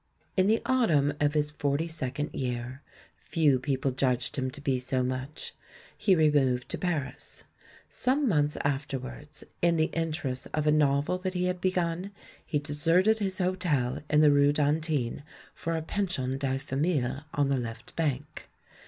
In the autumn of his forty second year — few people judged him to be so much — he removed to Paris. Some months afterwards, in the inter ests of a novel that he had begun, he deserted his hotel in the rue d'Antin for a pension de famille on the left bank.